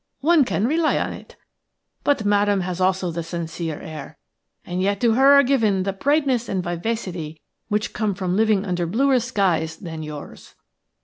One can rely on it. But Madame has also the sincere air, and yet to her are given the brightness and vivacity which come from living under bluer skies than yours."